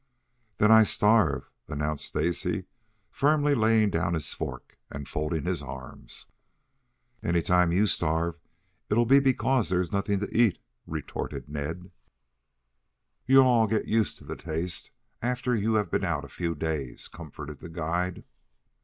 "Then I starve," announced Stacy, firmly, laying down his fork and folding his arms. "Any time you starve it'll be because there is nothing to eat," retorted Ned. "You'll all get used to the taste after you have been out a few days," comforted the guide.